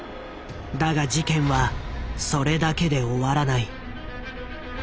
だが事件はそれだけで終わらない。